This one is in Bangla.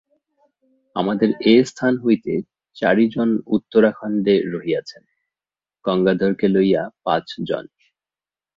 আমাদের এ স্থান হইতে চারি জন উত্তরাখণ্ডে রহিয়াছেন, গঙ্গাধরকে লইয়া পাঁচ জন।